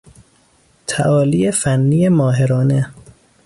تعالی فنی ماهرانه